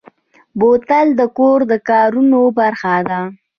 بوتل د کور د کارونو برخه ده.